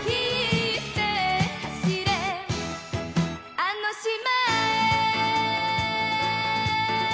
あの島へ」